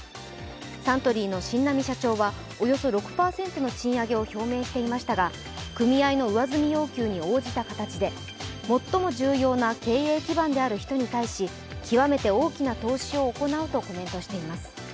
サントリーの新浪社長はおよそ６％の賃上げを表明していましたが組合の上積み要求に応じた形で最も重要な経営基盤である人に対して、極めて大きな投資を行うとコメントしています。